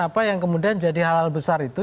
apa yang kemudian jadi hal hal besar itu